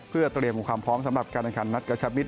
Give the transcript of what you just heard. เพื่อเตรียมความพร้อมสำหรับการแข่งขันนัดกระชับมิตร